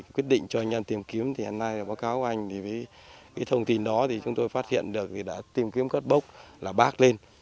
quyết định cho anh em tìm kiếm thì hôm nay báo cáo anh với thông tin đó thì chúng tôi phát hiện được thì đã tìm kiếm cất bốc là bát lên